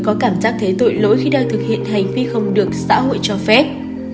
có cảm giác thế tội lỗi khi đang thực hiện hành vi không được xã hội cho phép